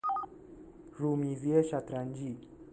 رومیزی شطرنجی